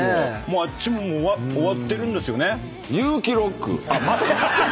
あっちももう終わってるんですよね？